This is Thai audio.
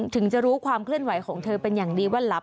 ถึงจะรู้ความเคลื่อนไหวของเธอเป็นอย่างดีว่าหลับ